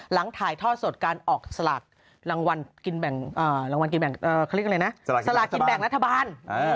หลังถ่ายทอดสดการออกสลากรางวัลกินแบ่งสลากกินแบ่งนัธบาล